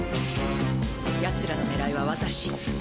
奴らの狙いは私。